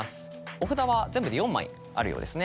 お札は全部で４枚あるようですね。